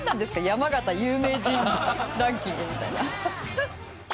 山形有名人ランキングみたいな。